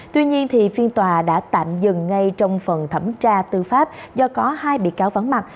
tuy nhiên phiên tòa đã tạm dừng ngay trong phần thẩm tra tư pháp do có hai bị cáo vắng mặt